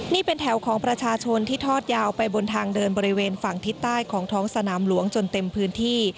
นี่เป็นแถวของประชาชนที่ทอดยาวไปบนทางเดินบริเวณฝั่งทิศใต้ของท้องสนามหลวงจนเต็มพื้นที่